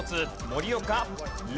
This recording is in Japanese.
盛岡。